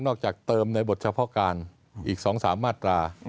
จากเติมในบทเฉพาะการอีก๒๓มาตรา